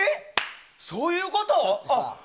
そういうこと？